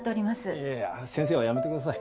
いやいや先生はやめてください。